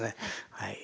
はい。